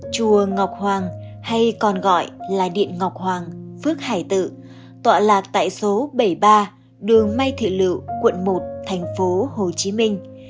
chùa ngọc hoàng hay còn gọi là điện ngọc hoàng phước hải tự tọa lạc tại số bảy mươi ba đường may thị lựu quận một thành phố hồ chí minh